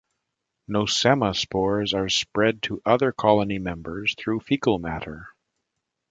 "Nosema" spores are spread to other colony members through fecal matter.